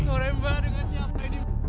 seorang soremba dengan siapa ini